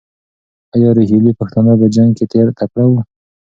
ایا روهیلې پښتانه په جنګ کې تکړه وو؟